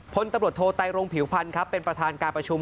พลตำรวจโทไตรรงผิวพันธ์ครับเป็นประธานการประชุม